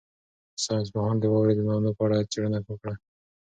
ساینس پوهانو د واورې د دانو په اړه څېړنه وکړه.